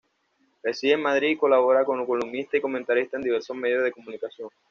Reside en Madrid y colabora como columnista y comentarista en diversos medios de comunicación.